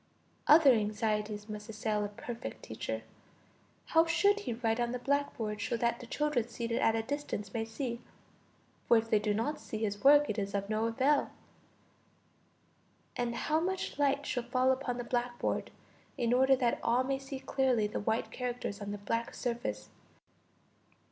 Other anxieties must assail a perfect teacher! How should he write on the blackboard so that the children seated at a distance may see? for if they do not see his work is of no avail. And how much light shall fall upon the blackboard, in order that all may see clearly the white characters on the black surface?